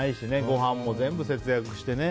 ごはんも全部節約してね。